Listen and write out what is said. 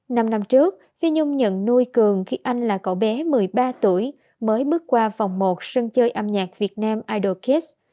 năm năm trước phi nhung nhận nuôi cường khi anh là cậu bé một mươi ba tuổi mới bước qua vòng một sân chơi âm nhạc việt nam idol kids